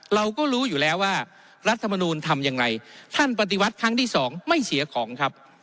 เราก็รู้อยู่แล้วว่ารัฐมนูลทำยังไงท่านปฏิวัติครั้งที่สองไม่เสียของครับ